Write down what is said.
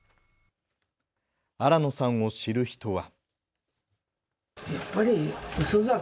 新野さんを知る人は。